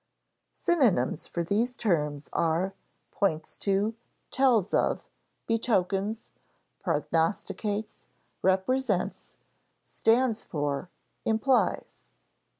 Synonyms for these terms are: points to, tells of, betokens, prognosticates, represents, stands for, implies.